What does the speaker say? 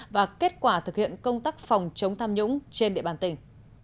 và kết quả thực hiện công tác phòng chống tham nhũng trên địa bàn tỉnh